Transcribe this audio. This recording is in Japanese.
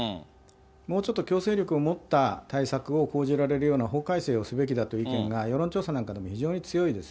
もうちょっと強制力を持った対策を講じられるような法改正をすべきだという意見が、世論調査なんかでも非常に強いです。